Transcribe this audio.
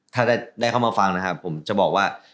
ถ้าได้เข้ามาฟังนะครับผมจะบอกว่า